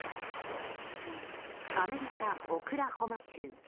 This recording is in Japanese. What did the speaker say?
アメリカ・オクラホマ州。